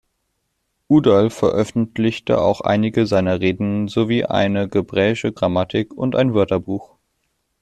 Udall veröffentlichte auch einige seiner Reden sowie eine hebräische Grammatik und ein Wörterbuch.